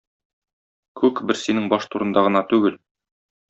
Күк бер синең баш турында гына түгел.